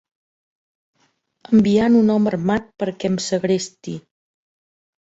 Enviant un home armat per a que em segresti!